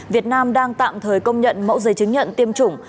việt nam đang tạm thời công nhận mẫu giấy chứng nhận tiêm chủng